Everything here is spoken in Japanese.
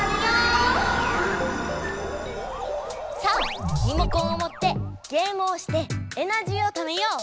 さあリモコンをもってゲームをしてエナジーをためよう！